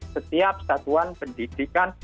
setiap satuan pendidikan